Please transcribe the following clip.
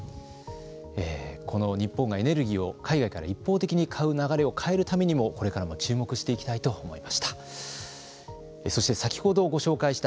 この日本がエネルギーを海外から一方的に買う流れを変えるためにもこれから注目していきたいと思いました。